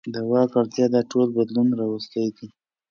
د واک اړتیا دا ټول بدلون راوستی دی.